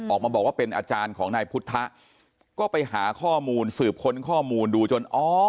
ออกมาบอกว่าเป็นอาจารย์ของนายพุทธะก็ไปหาข้อมูลสืบค้นข้อมูลดูจนอ๋อ